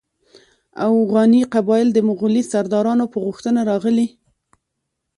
اوغاني قبایل د مغولي سردارانو په غوښتنه راغلي.